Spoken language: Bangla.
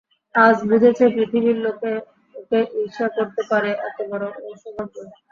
আজ বুঝেছে পৃথিবীর লোকে ওকে ঈর্ষা করতে পারে এতবড়ো ওর সৌভাগ্য।